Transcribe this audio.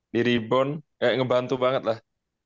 di rebound kayak ngebantu banget lah